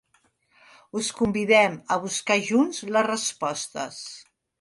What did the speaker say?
Us convidem a buscar junts les respostes.